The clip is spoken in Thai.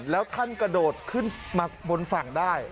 แล้วท่านกระโดดขึ้นมาบนฝั่งได้